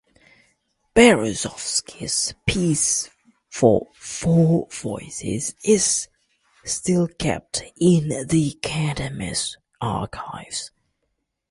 Berezovsky's piece for four voices is still kept in the Academy's archives.